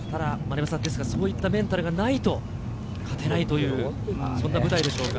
そういったメンタルがないと勝てない、そんな舞台でしょうか。